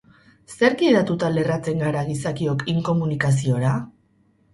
Zerk gidatuta lerratzen gara gizakiok inkomunikaziora?